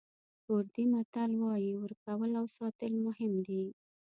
کوردي متل وایي ورکول او ساتل مهم دي.